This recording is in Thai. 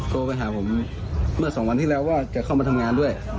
โทรไปหาผมเมื่อสองวันที่แล้วว่าจะเข้ามาทำงานด้วย